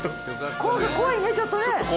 怖いねちょっとね。